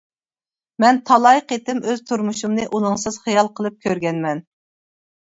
مەن تالاي قېتىم ئۆز تۇرمۇشۇمنى ئۇنىڭسىز خىيال قىلىپ كۆرگەنمەن.